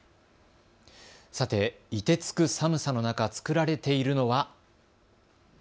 さて、いてつく寒さの中、作られているのは。